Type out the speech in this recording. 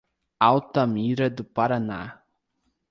Altamira do Paraná